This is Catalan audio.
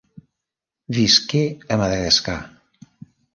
Visqué a Madagascar.